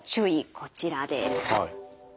こちらです。